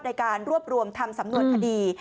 ในการรวบรวมทำสำนวนคดี